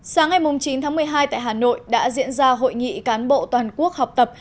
sáng ngày chín tháng một mươi hai tại hà nội đã diễn ra hội nghị cán bộ toàn quốc học tập